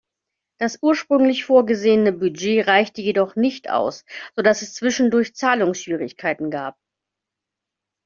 Das ursprünglich vorgesehene Budget reichte jedoch nicht aus, so dass es zwischendurch Zahlungsschwierigkeiten gab.